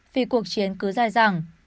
vì cuộc chiến cứ dài dẳng